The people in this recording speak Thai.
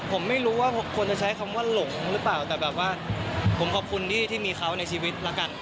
ผมไม่รู้ว่าผมควรจะใช้คำว่าหลงหรือเปล่าแต่แบบว่าผมขอบคุณที่มีเขาในชีวิตแล้วกัน